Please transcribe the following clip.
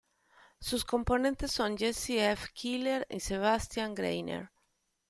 Sus componentes son Jesse F. Keeler y Sebastien Grainger.